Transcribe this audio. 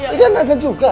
ini anasan juga